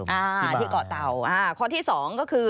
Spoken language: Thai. ที่เกาะเตาข้อที่สองก็คือ